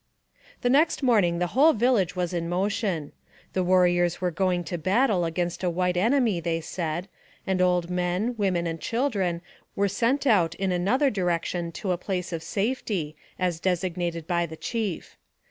THE next morning the whole village was in motion. The warriors were going to battle against a white en emy, they said, and old men, women, and children were sent out in another direction to a place of safety, as designated by the chief.